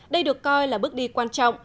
đây được coi là bước đi quan trọng